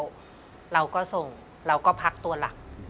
เราก็ส่งเราก็พักตัวหลัก